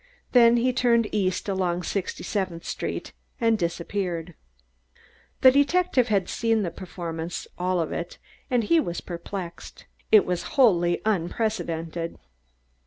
Then he turned east along Sixty seventh Street and disappeared. The detective had seen the performance, all of it, and he was perplexed. It was wholly unprecedented.